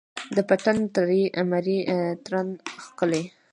د پتڼ ترۍ، مرۍ ترنم ښکلی